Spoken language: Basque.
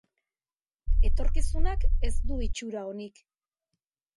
Etorkizunak ez du itxura onik.